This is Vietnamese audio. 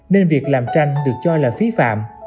nên việc làm tranh được cho là phí phạm